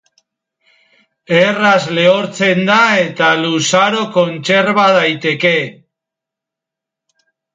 Erraz lehortzen da eta luzaro kontserba daiteke.